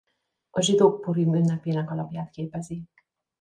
A zsidók purim ünnepének alapját képezi.